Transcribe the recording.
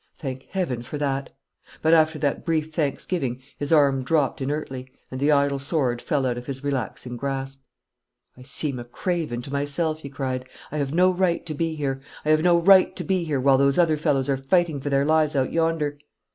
Thank Heaven for that! But after that brief thanksgiving his arm dropped inertly, and the idle sword fell out of his relaxing grasp. "I seem a craven to myself," he cried; "I have no right to be here I have no right to be here while those other fellows are fighting for their lives out yonder.